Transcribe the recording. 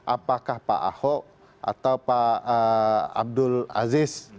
apakah pak ahok atau pak abdul aziz